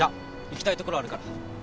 行きたいところあるから